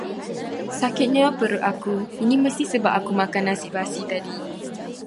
Sakitnya perut aku, ini mesti sebab aku makan nasi basi tadi.